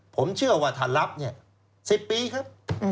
ผมเชื่อว่าถัดลับ๑๐ปีครับ